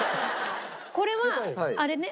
これはあれね？